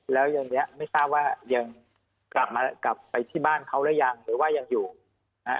แล้วทีนี้ไม่ทราบว่ายังกลับไปที่บ้านเขาเรียนฮะ